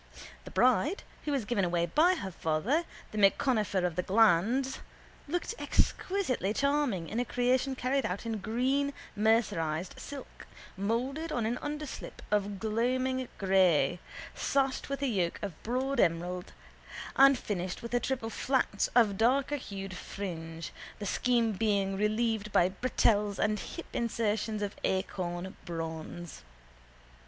The bride who was given away by her father, the M'Conifer of the Glands, looked exquisitely charming in a creation carried out in green mercerised silk, moulded on an underslip of gloaming grey, sashed with a yoke of broad emerald and finished with a triple flounce of darkerhued fringe, the scheme being relieved by bretelles and hip insertions of acorn bronze.